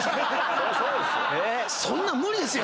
そんなん無理ですよ。